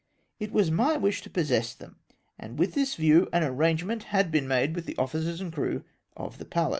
It was my wish to possess them, and vnth this view an arrangement had been made with the officers and crew of the Pallas.